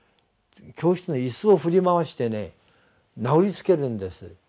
教室の椅子を振り回してね殴りつけるんです。